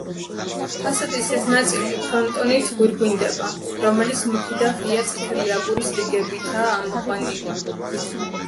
ფასადის ეს ნაწილი ფრონტონით გვირგვინდება, რომელიც მუქი და ღია წითელი აგურის რიგებითაა ამოყვანილი.